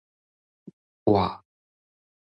倚